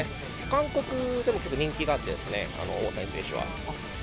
韓国でも結構人気があってですね、大谷選手は。